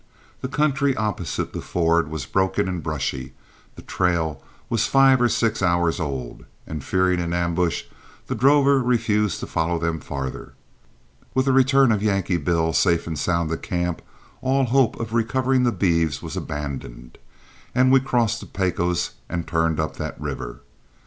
The country opposite the ford was broken and brushy, the trail was five or six hours old, and, fearing an ambush, the drover refused to follow them farther. With the return of Yankee Bill safe and sound to camp, all hope of recovering the beeves was abandoned, and we crossed the Pecos and turned up that river.